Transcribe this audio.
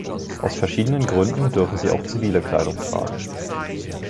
Aus verschiedenen Gründen dürfen sie auch zivile Kleidung tragen.